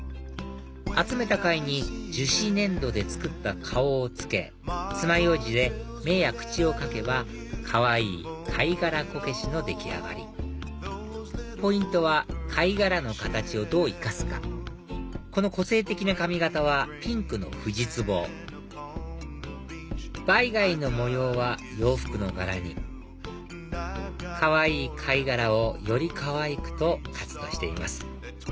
集めた貝に樹脂粘土で作った顔をつけつまようじで目や口を描けばかわいい貝殻こけしの出来上がりポイントは貝殻の形をどう生かすかこの個性的な髪形はピンクのフジツボバイガイの模様は洋服の柄にかわいい貝殻をよりかわいくと活動しています